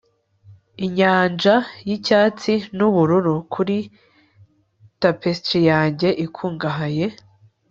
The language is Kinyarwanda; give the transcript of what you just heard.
inyanja yicyatsi nubururu kuri tapestry yanjye ikungahaye